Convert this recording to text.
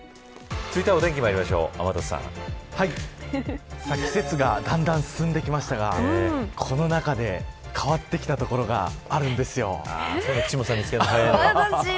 続いてはお天気まいりましょう季節がだんだん進んできましたがこの中で変わってきたところが岸本さん、見つけてください。